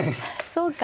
そうか。